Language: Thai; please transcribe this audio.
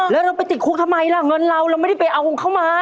เล่เราก็ติดคุกทำไมล่ะเงินเราเราไม่ได้เอากับเค้ามา